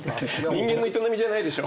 人間の営みじゃないでしょ。